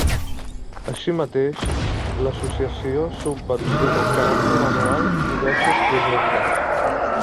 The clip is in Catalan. Així mateix, l'associació subvenciona amb caràcter anual diversos projectes.